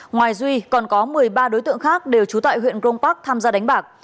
ngoài duy còn có một mươi ba đối tượng khác đều trú tại huyện grong park tham gia đánh bạc